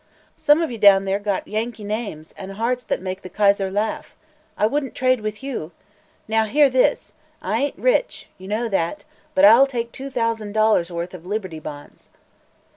Some of you down there got Yankee names an' hearts that make the Kaiser laugh. I wouldn't trade with you! Now, hear this: I ain't rich; you know that; but I'll take two thousand dollars' worth of Liberty Bonds."